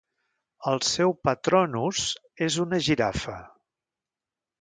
El seu patronus és una Girafa.